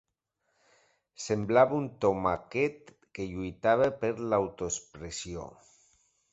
Semblava un tomàquet que lluitava per l'autoexpressió.